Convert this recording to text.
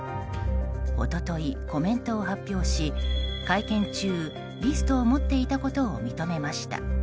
一昨日、コメントを発表し会見中リストを持っていたことを認めました。